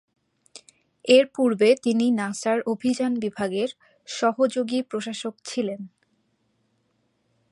এর পূর্বে তিনি নাসার অভিযান বিভাগের সহযোগী প্রশাসক ছিলেন।